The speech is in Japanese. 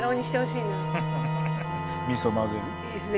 いいっすね。